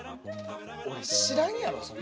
俺知らんやろそれ。